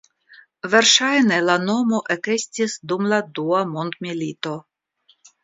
Verŝajne la nomo ekestis dum la Dua Mondmilito.